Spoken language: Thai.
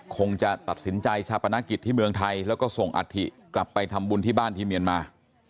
คงจะตัดสินใจชาปนกิจที่เมืองไทยแล้วก็ส่งอัฐิกลับไปทำบุญที่บ้านที่เมียนมา